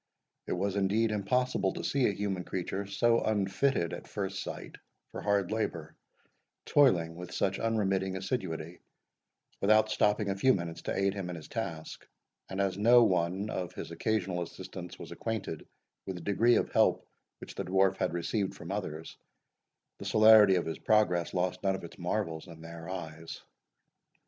It was, indeed, impossible to see a human creature, so unfitted, at first sight, for hard labour, toiling with such unremitting assiduity, without stopping a few minutes to aid him in his task; and, as no one of his occasional assistants was acquainted with the degree of help which the Dwarf had received from others, the celerity of his progress lost none of its marvels in their eyes.